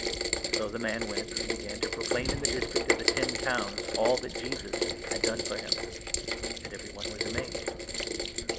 " So the man went, and began to proclaim in the district of 20 the Ten Towns all that Jesus had done for him ; and every one was amazed.